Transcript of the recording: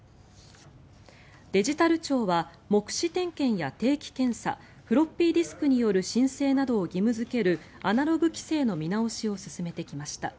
デジタル庁は目視点検や定期検査フロッピーディスクによる申請などを義務付けるアナログ規制の見直しを進めてきました。